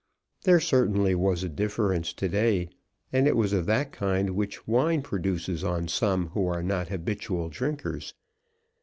There certainly was a difference to day, and it was of that kind which wine produces on some who are not habitual drinkers.